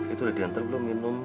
itu dia yang terbelum minum